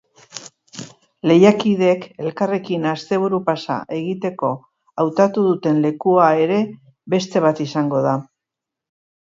Lehiakideek elkarrekin asteburu-pasa egiteko hautatu duten lekua ere beste bat izango da.